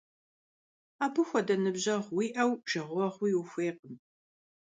Абы хуэдэ ныбжьэгъу уиӏэу жэгъуэгъуи ухуейкъым.